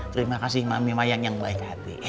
terima kasih mami wayang yang baik hati